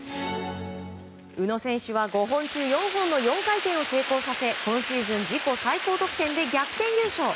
宇野選手は５本中４本の４回転を成功させ今シーズン自己最高得点で逆転優勝。